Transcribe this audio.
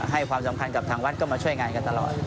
ให้ความสำคัญกับทางวัดก็มาช่วยงานกันตลอด